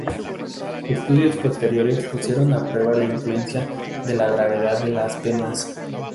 Estudios posteriores pusieron a prueba la influencia de la gravedad de las penas.